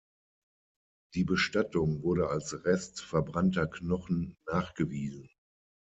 Die Bestattung wurde als Rest verbrannter Knochen nachgewiesen.